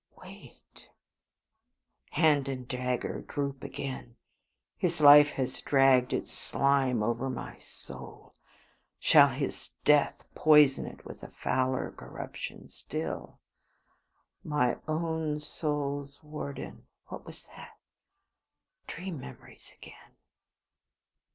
Wait. Hand and dagger droop again. His life has dragged its slime over my soul; shall his death poison it with a fouler corruption still? "My own soul's warden." What was that? Dream memories again.